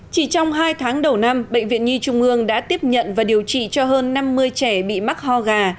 chỉ trong hai tháng đầu năm bệnh viện nhi trung ương đã tiếp nhận và điều trị cho hơn năm mươi trẻ bị mắc ho gà